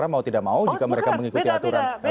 mengingatkan mereka mau jika mereka mengikuti aturan